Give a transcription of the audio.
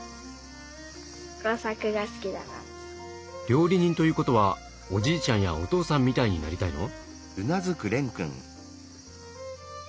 料理人ということはおじいちゃんやお父さんみたいになりたいの？